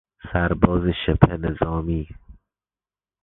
سرباز شبه نظامی